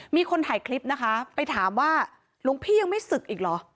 มีคนถ่ายคลิปนะคะไปถามว่าหลวงพี่ยังไม่ศึกอีกเหรอ